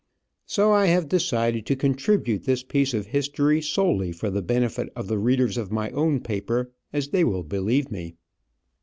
So I have decided to contribute this piece of history solely for the benefit of the readers of my own paper, as they will believe me.